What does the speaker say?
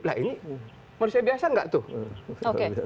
nah ini manusia biasa gak tuh